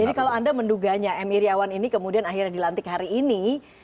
jadi kalau anda menduganya m iryawan ini kemudian akhirnya dilantik hari ini